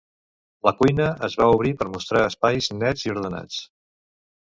La cuina es va obrir per mostrar espais nets i ordenats.